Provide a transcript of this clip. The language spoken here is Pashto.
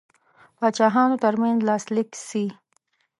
پاچاهانو ترمنځ لاسلیک سي.